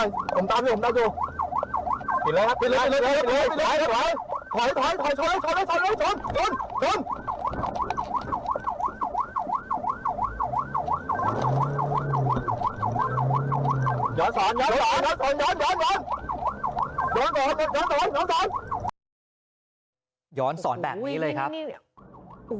ย้อนสอนแบบนี้เลยครับ